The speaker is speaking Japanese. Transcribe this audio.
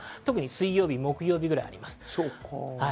水曜日、木曜日ぐらいにあります。